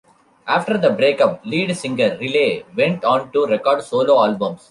After the breakup, lead singer Riley went on to record solo albums.